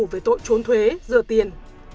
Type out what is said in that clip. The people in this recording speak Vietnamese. về tội trốn thuế dừa tiền